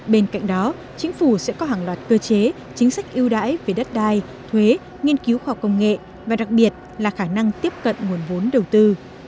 bên cạnh đó chính phủ sẽ có hàng loạt cơ chế chính sách ưu đãi về đất đai thuế nghiên cứu khoa học công nghệ và đặc biệt là khả năng tiếp cận nguồn vốn đầu tư